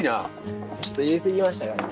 ちょっと入れ過ぎましたかね。